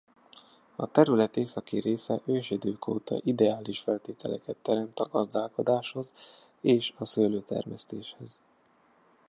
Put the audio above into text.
A terület északi része ősidők óta ideális feltételeket teremt a gazdálkodáshoz és a szőlőtermesztéshez.